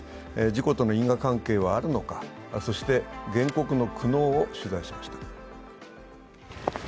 事故との因果関係はあるのか、そして原告の苦悩を取材しました．